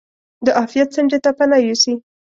د عافیت څنډې ته پناه یوسي.